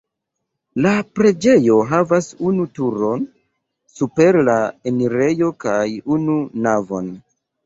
La preĝejo havas unu turon super la enirejo kaj unu navon.